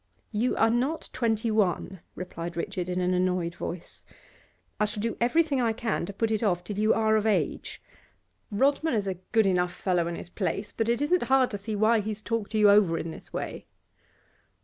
'You are not twenty one,' replied Richard in an annoyed voice. 'I shall do everything I can to put it off till you are of age. Rodman is a good enough fellow in his place; but it isn't hard to see why he's talked you over in this way.